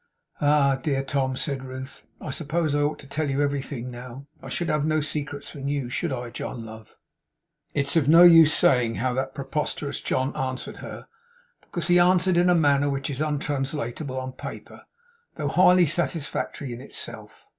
'Ah! dear Tom!' said Ruth. 'I suppose I ought to tell you everything now. I should have no secrets from you. Should I, John, love?' It is of no use saying how that preposterous John answered her, because he answered in a manner which is untranslatable on paper though highly satisfactory in itself.